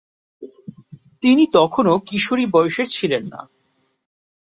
তিনি তখনও কিশোরী বয়সের ছিলেন।